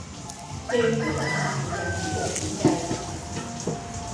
เจนพูดออกมาอย่างเห็นอกเห็นใจ